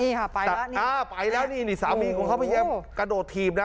นี่ค่ะไปแล้วนี่อ้าวไปแล้วนี่สามีของเขาไปเยี่ยมกระโดดทีมนะ